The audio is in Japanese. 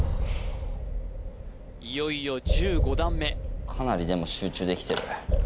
いよいよ１５段目かなりでも集中できてる